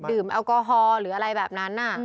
แอลกอฮอล์หรืออะไรแบบนั้น